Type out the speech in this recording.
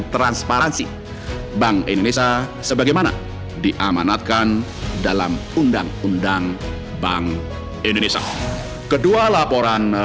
transparansi bank indonesia sebagaimana diamanatkan dalam undang undang bank indonesia kedua laporan